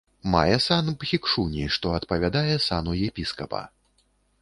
Мае сан бхікшуні, што адпавядае сану епіскапа.